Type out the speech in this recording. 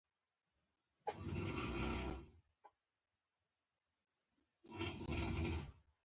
دا د ثابت او بدلیدونکي نرخ ګډوله ده.